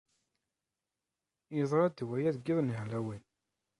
Yeḍṛa-d waya deg iḍ n Halloween.